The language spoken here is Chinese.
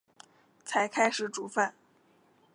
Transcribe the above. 才开始煮饭